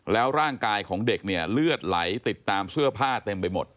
แล้วร่างกายของเด็กเนี่ยเลือดไหลติดตามเสื้อผ้าเต็มไปหมด